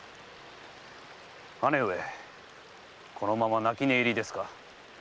姉上このまま泣き寝入りですか。